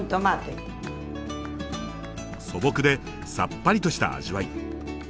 素朴でさっぱりとした味わい。